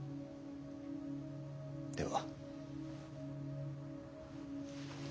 では。